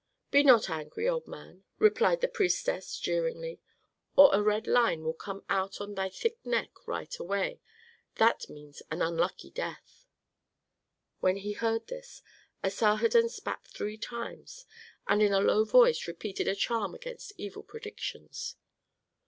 "Be not angry, old man," replied the priestess, jeeringly, "or a red line will come out on thy neck right away; that means an unlucky death." When he heard this, Asarhadon spat three times, and in a low voice repeated a charm against evil predictions.